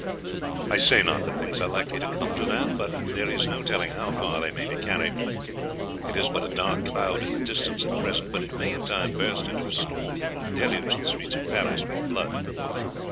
"I say not that things are likely to come to that yet, but there is no telling how far they may be carried. It is but a dark cloud in the distance at present, but it may in time burst into a storm that will deluge the streets of Paris with blood.